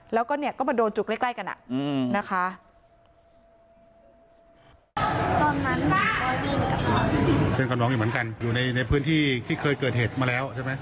แล้วก็โดนจุกใกล้กันอะนะคะ